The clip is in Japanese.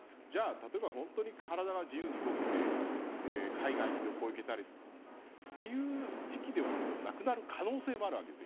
例えば本当に体が自由に動けて海外に旅行に行けたりという時期ではもうなくなる可能性もあるわけです。